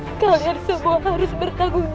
aku akan membalaskan bedamu